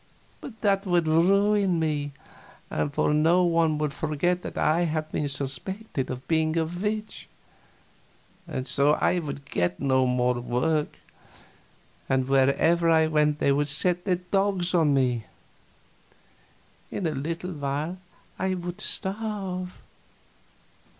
That would ruin me, for no one would forget that I had been suspected of being a witch, and so I would get no more work, and wherever I went they would set the dogs on me. In a little while I would starve.